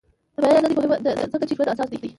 د بیان ازادي مهمه ده ځکه چې د ژوند اساس دی.